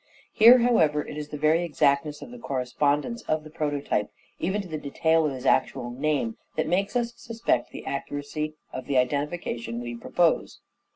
Here, however, it is the very exactness of the correspondence of the prototype, even to the detail of his actual name, that makes us suspect the accuracy of the identification we propose.